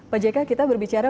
pak jk kita berbicara